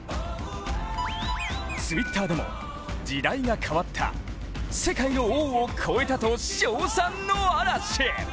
Ｔｗｉｔｔｅｒでも時代が変わった、世界の王を超えたと称賛の嵐。